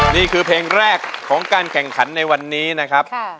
นี่คือเพลงแรกของการแข่งขันในวันนี้นะครับ